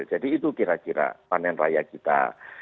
jadi itu kira kira panen raya kita